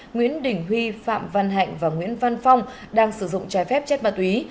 nguyễn đình huy phạm văn hạnh và nguyễn văn phong đang sử dụng trái phép chất ma túy